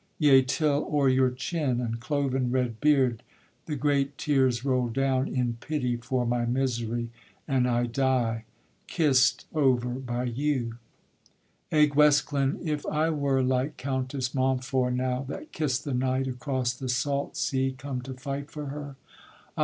yea, till o'er your chin, And cloven red beard the great tears roll down In pity for my misery, and I die, Kissed over by you. Eh Guesclin! if I were Like Countess Mountfort now, that kiss'd the knight, Across the salt sea come to fight for her: Ah!